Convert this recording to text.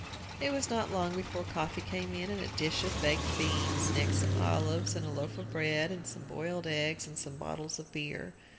It was not long before the coffee came in, and a dish of baked beans. Next, some olives and a loaf of bread, and some boiled eggs, and some bottles of beer.